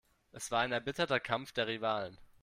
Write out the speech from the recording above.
Es war ein erbitterter Kampf der Rivalen.